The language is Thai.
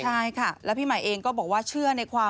ใช่ค่ะแล้วพี่ใหม่เองก็บอกว่าเชื่อในความ